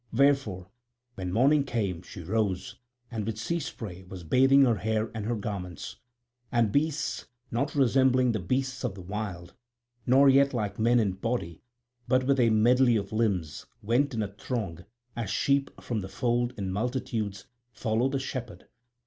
Wherefore when morning came she rose, and with sea spray was bathing her hair and her garments. And beasts, not resembling the beasts of the wild, nor yet like men in body, but with a medley of limbs, went in a throng, as sheep from the fold in multitudes follow the shepherd.